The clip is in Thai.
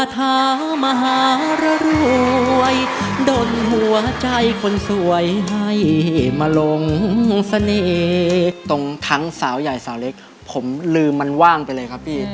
ถามตรงทั้งสาวใหญ่สาวเล็กผมลืมมันว่างไปเลยครับพี่